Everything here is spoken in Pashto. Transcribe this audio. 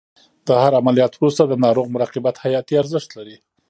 د هر عملیات وروسته د ناروغ مراقبت حیاتي ارزښت لري.